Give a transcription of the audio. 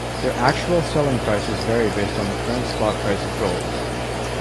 Their actual selling prices vary based on the current spot price of gold.